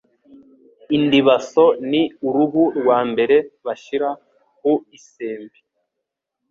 Indibaso ni uruhu rwa mbere bashyira ku isembe,